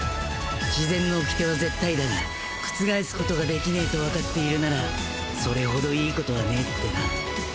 自然の掟は絶対だが覆すことができねえとわかっているならそれほどいいことはねえってな。